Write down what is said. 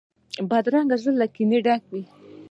بدرنګه زړه له کینې ډک وي